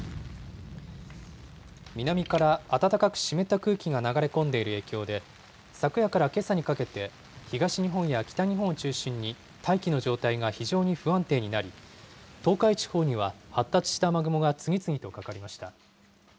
南から暖かく湿った空気が流れ込んでいる影響で、昨夜からけさにかけて、東日本や北日本を中心に、大気の状態が非常に不安定になり、東海地方には、発達した雨雲が次々とかかりました。